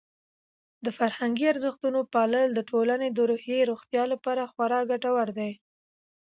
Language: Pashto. د فرهنګي ارزښتونو پالل د ټولنې د روحي روغتیا لپاره خورا ګټور دي.